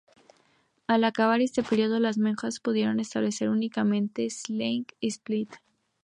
Al acabar este periodo, las monjas pudieron establecerse únicamente en Šibenik y Split.